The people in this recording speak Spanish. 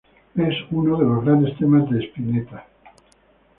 Es uno de los grandes temas de Spinetta.